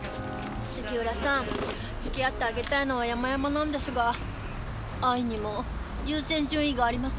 杉浦さん付き合ってあげたいのは山々なんですが愛にも優先順位がありますから。